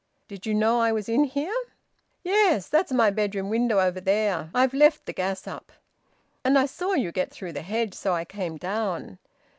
"Did you know I was in here?" "Yes. That's my bedroom window over there I've left the gas up and I saw you get through the hedge. So I came down.